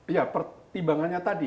ya pertimbangannya tadi